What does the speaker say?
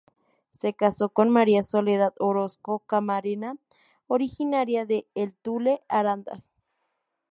Se casó con Maria Soledad Orozco Camarena, originaria de "El Tule", Arandas.